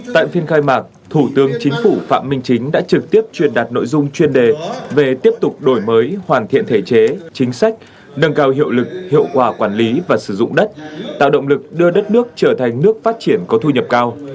tại phiên khai mạc thủ tướng chính phủ phạm minh chính đã trực tiếp truyền đạt nội dung chuyên đề về tiếp tục đổi mới hoàn thiện thể chế chính sách nâng cao hiệu lực hiệu quả quản lý và sử dụng đất tạo động lực đưa đất nước trở thành nước phát triển có thu nhập cao